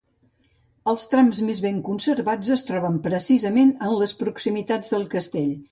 Els trams més ben conservats es troben precisament en les proximitats del castell.